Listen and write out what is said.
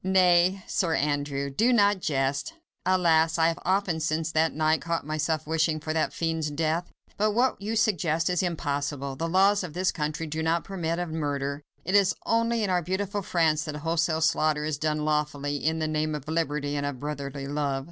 "Nay! Sir Andrew, do not jest! Alas! I have often since last night caught myself wishing for that fiend's death. But what you suggest is impossible! The laws of this country do not permit of murder! It is only in our beautiful France that wholesale slaughter is done lawfully, in the name of Liberty and of brotherly love."